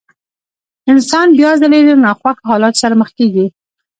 انسان بيا ځلې له ناخوښو حالاتو سره مخ کېږي.